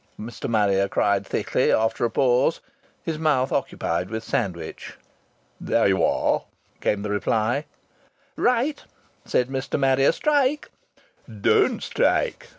Mr. Marrier cried thickly, after a pause, his mouth occupied with sandwich. "There you are!" came the reply. "Right!" said Mr. Marrier. "Strike!" "Don't strike!"